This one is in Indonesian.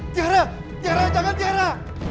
tiara tiara jangan tiara